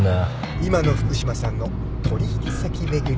今の福島さんの取引先巡り。